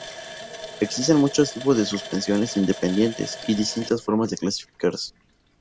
Existen muchos tipos de suspensiones independientes y distintas formas de clasificarse.